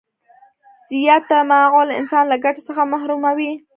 زیات تماعل انسان له ګټې څخه محروموي.